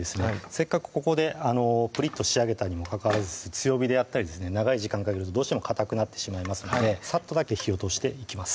せっかくここでプリッと仕上げたにもかかわらず強火でやったりですね長い時間かけるとどうしてもかたくなってしまいますのでサッとだけ火を通していきます